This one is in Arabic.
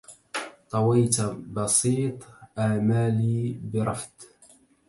طويت بسيط آمالي برفد